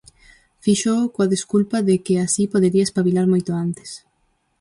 fíxoo coa desculpa de que así podería espabilar moito antes;